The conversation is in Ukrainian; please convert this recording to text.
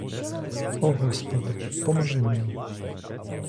О господи, поможи мені!